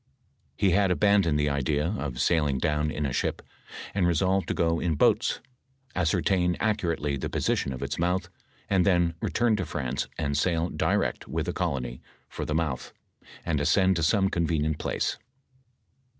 He had aban doned the idea of sailing down in a ship, and resolved to go in boats, ascertain accurately the position of its mouth, and then return to France and sail direct with a colony for the mouth, and ascend to some convenient place.